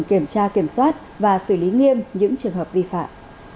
kiểm tra kiểm soát và xử lý nghiêm những trường hợp vi phạm